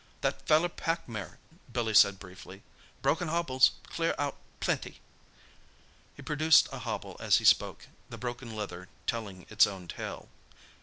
"That feller pack mare," Billy said briefly. "Broken hobbles—clear out. Plenty!" He produced a hobble as he spoke, the broken leather telling its own tale.